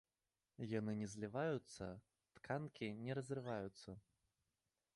Яны не зліваюцца, тканкі не разрываюцца.